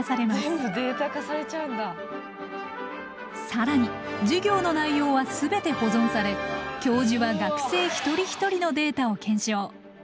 更に授業の内容は全て保存され教授は学生一人一人のデータを検証。